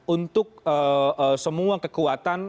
untuk semua kekuatan